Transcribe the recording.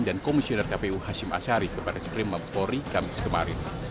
dan komisioner kpu hashim ashari ke barat skrim pori kamis kemarin